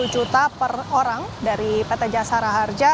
satu juta per orang dari pt jasara harja